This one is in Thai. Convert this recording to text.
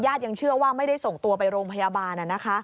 ญาติยังเชื่อว่าไม่ได้ส่งตัวไปโรงพยาบาลนะครับ